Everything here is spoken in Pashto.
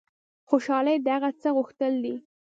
خوشحالي د هغه څه غوښتل دي.